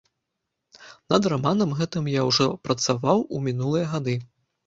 Над раманам гэтым я ўжо працаваў ў мінулыя гады.